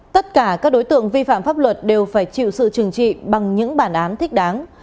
tất cả các đối tượng vi phạm pháp luật đều phải chịu sự trừng trị bằng những bản án thích đáng